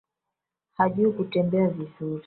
Hajui kutembea vizuri